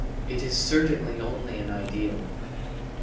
It is certainly only an ideal.